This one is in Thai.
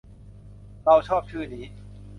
เราชอบชื่อนี้